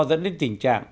dẫn đến tình trạng